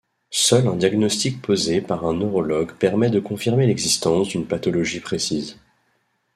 Seul un diagnostic posé par un neurologue permet de confirmer l'existence d'une pathologie précise.